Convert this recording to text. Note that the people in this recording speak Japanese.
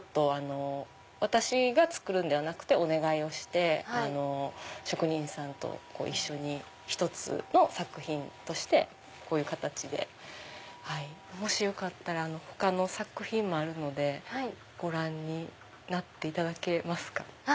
私が作るんではなくてお願いをして職人さんと一緒に１つの作品としてこういう形で。もしよかったら他の作品もあるのでご覧になっていただけますか？